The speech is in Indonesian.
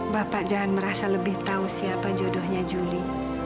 bapak jangan merasa lebih tahu siapa jodohnya juli